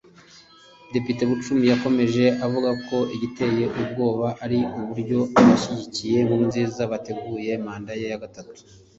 Depite Bucumi yakomeje avuga ko igiteye impungenge ari uburyo abashyigikiye Nkurunziza bateguye manda ye ya gatatu